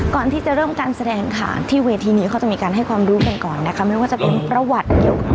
ก่อนที่จะเริ่มการแสดงค่ะที่เวทีนี้เขาจะมีการให้ความรู้กันก่อนนะคะไม่ว่าจะเป็นประวัติเกี่ยวกับ